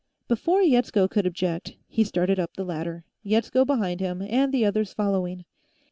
Before Yetsko could object, he started up the ladder, Yetsko behind him and the others following.